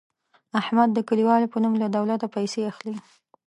احمد د کلیوالو په نوم له دولته پیسې اخلي.